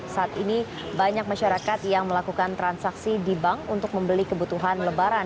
saat ini banyak masyarakat yang melakukan transaksi di bank untuk membeli kebutuhan lebaran